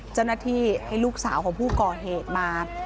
เจ้าหน้าที่ให้ลูกสาวของผู้ก่อเหตุมา